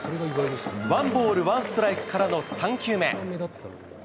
ワンボールワンストライクからの３球目。